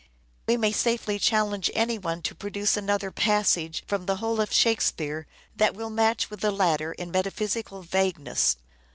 We may safely challenge any one to produce another passage from the whole of Shake speare that will match with the latter in metaphysical vagueness.